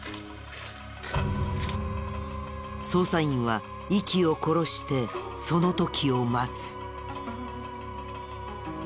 捜査員は息を殺してその時を待つ。